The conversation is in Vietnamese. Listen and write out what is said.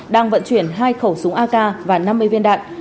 đang vận chuyển hai khẩu súng ak và năm mươi viên đạn